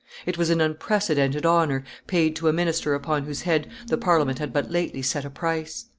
It was an unprecedented honor, paid to a minister upon whose head the Parliament had but lately set a price.